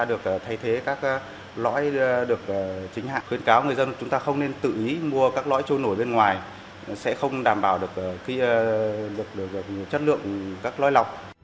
được thay thế các lõi được chính hãng khuyến cáo người dân chúng ta không nên tự ý mua các lõi trôi nổi bên ngoài sẽ không đảm bảo được chất lượng các loại lọc